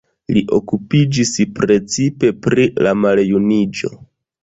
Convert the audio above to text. Li okupiĝis precipe pri la maljuniĝo.